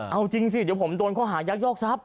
เอาจริงสิเดี๋ยวผมโดนข้อหายักยอกทรัพย